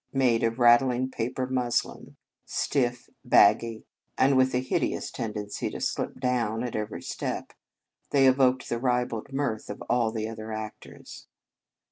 Made of rattling paper muslin, stiff, baggy, and with a hid 5 In Our Convent Days ecus tendency to slip down at every step, they evoked the ribald mirth of all the other actors.